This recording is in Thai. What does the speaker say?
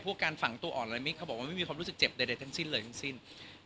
การฝังตัวอ่อนอะไรมิกเขาบอกว่าไม่มีความรู้สึกเจ็บใดทั้งสิ้นเลยทั้งสิ้น